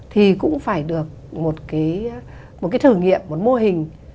thì cũng phải được một cái thử nghiệm một mô hình